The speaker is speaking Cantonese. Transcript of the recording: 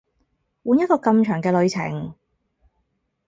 換一個咁長嘅旅程